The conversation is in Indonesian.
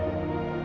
ada di dalam